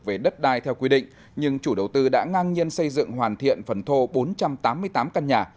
về đất đai theo quy định nhưng chủ đầu tư đã ngang nhiên xây dựng hoàn thiện phần thô bốn trăm tám mươi tám căn nhà